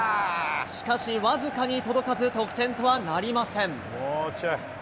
しかし僅かに届かず、得点とはなりません。